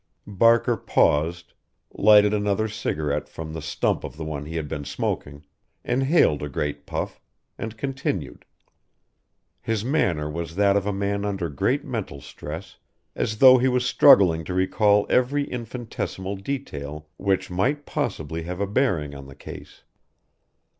Barker paused, lighted another cigarette from the stump of the one he had been smoking inhaled a great puff, and continued. His manner was that of a man under great mental stress as though he was struggling to recall every infinitesimal detail which might possibly have a bearing on the case.